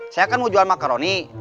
saya kan mau jual makaroni